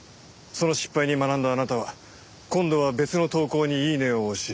その失敗に学んだあなたは今度は別の投稿にイイネ！を押し